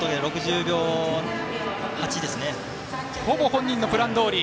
ほぼ本人のプランどおり。